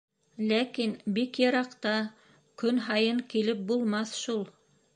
— Ләкин бик йыраҡта, көн һайын килеп булмаҫ шул.